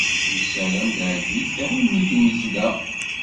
Nessaram teɛjeb-ik tɣimit-nnek da.